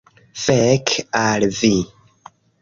Fek' al vi!